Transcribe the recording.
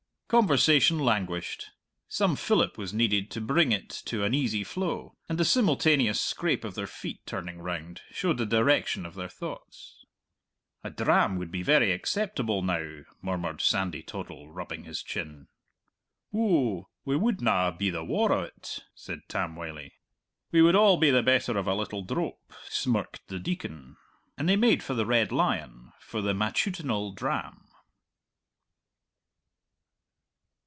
Conversation languished. Some fillip was needed to bring it to an easy flow, and the simultaneous scrape of their feet turning round showed the direction of their thoughts. "A dram would be very acceptable now," murmured Sandy Toddle, rubbing his chin. "Ou, we wouldna be the waur o't," said Tam Wylie. "We would all be the better of a little drope," smirked the Deacon. And they made for the Red Lion for the matutinal dram.